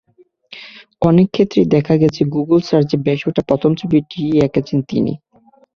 অনেক ক্ষেত্রেই দেখা গেছে, গুগল সার্চে ভেসে ওঠা প্রথম ছবিটিই এঁকেছেন তিনি।